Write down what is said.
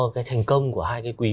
cái thành công của hai cái quý